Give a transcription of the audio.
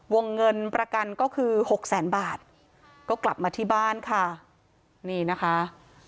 วงเงินประกันก็คือหกแสนบาทก็กลับมาที่บ้านค่ะนี่นะคะ